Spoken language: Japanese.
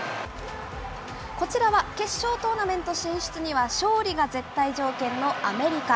こちらは、決勝トーナメント進出には勝利が絶対条件のアメリカ。